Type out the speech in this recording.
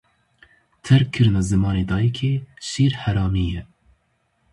Terkkirina zimanê dayîkê, şîrheramî ye.